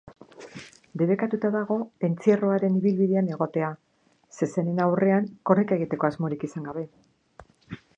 Debekatuta dago entzierroaren ibilbidean egotea, zezenen aurrean korrika egiteko asmorik izan gabe.